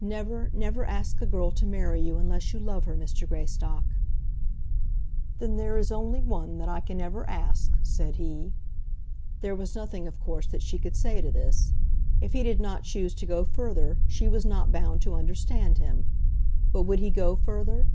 "Never never ask a girl to marry you, unless you love her, Mr. Greystock." "Then there is only one that I can ever ask," said he. There was nothing of course that she could say to this. If he did not choose to go further, she was not bound to understand him. But would he go further?